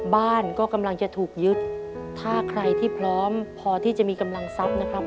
บ้านก็กำลังจะถูกยึดถ้าใครที่พร้อมพอที่จะมีกำลังทรัพย์นะครับ